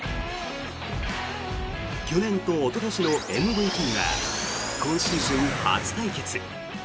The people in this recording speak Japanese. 去年とおととしのＭＶＰが今シーズン初対決。